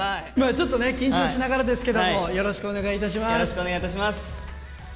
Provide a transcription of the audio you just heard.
ちょっとね、緊張しながらですけれども、よろしくお願いいたよろしくお願いいたします。